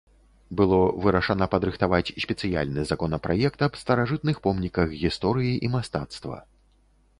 Было вырашана падрыхтаваць спецыяльны законапраект аб старажытных помніках гісторыі і мастацтва.